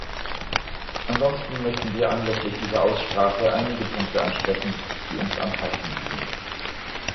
Ansonsten möchten wir anlässlich dieser Aussprache einige Punkte ansprechen, die uns am Herzen liegen.